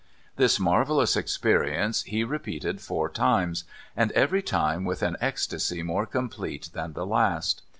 This marvellous experience he repeated four times, and every time with an ecstasy more complete than the last.